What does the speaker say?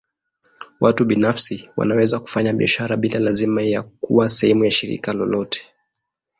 Watu binafsi wanaweza kufanya biashara bila lazima ya kuwa sehemu ya shirika lolote.